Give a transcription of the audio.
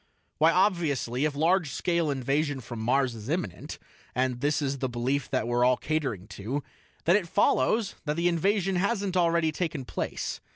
"Why, obviously, if large scale invasion from Mars is imminent and this is the belief that we're all catering to then it follows that the invasion hasn't already taken place.